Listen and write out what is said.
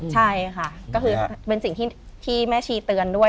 ใช่ค่ะก็คือเป็นสิ่งที่แม่ชีเตือนด้วย